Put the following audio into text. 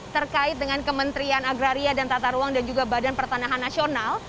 terkait dengan kementerian agraria dan tata ruang dan juga badan pertanahan nasional